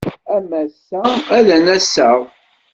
Am ass-a ad n-aseɣ.